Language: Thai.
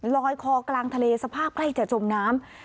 ลอยคอกลางทะเลสภาพใกล้จะจมน้ำ